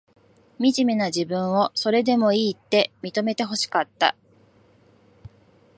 みじめな自分を、それでもいいって、認めてほしかった。